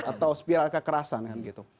atau spiral kekerasan